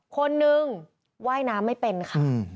คนนึงว่ายน้ำไม่เป็นค่ะ